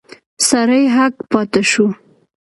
سړی هک پاته شو.